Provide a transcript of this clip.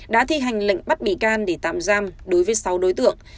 đã thi hành lệnh bắt bị can để tạm giam đối với sáu đối tượng